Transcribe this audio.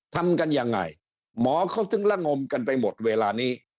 ทำกันยังไงหมอเขาถึงละงมกันไปหมดเวลานี้